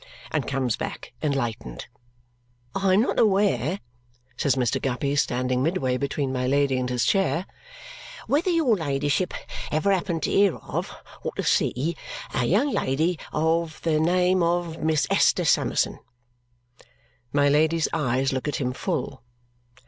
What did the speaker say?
And comes back enlightened. "I am not aware," says Mr. Guppy, standing midway between my Lady and his chair, "whether your ladyship ever happened to hear of, or to see, a young lady of the name of Miss Esther Summerson." My Lady's eyes look at him full.